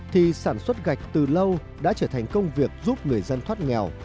thì sản xuất gạch từ lâu đã trở thành công việc giúp người dân thoát nghèo